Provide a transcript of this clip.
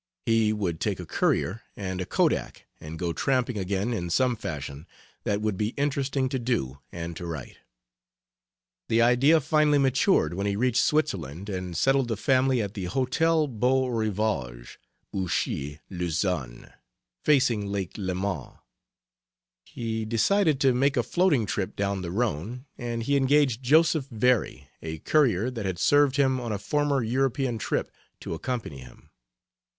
He would take a courier and a kodak and go tramping again in some fashion that would be interesting to do and to write. The idea finally matured when he reached Switzerland and settled the family at the Hotel Beau Rivage, Ouchy, Lausanne, facing Lake Leman. He decided to make a floating trip down the Rhone, and he engaged Joseph Very, a courier that had served him on a former European trip, to accompany him.